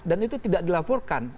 dan itu tidak dilaporkan